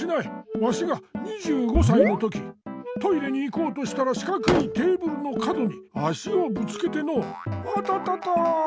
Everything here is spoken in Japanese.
わしが２５さいのときトイレに行こうとしたらしかくいテーブルの角に足をぶつけてのうあたたたっ！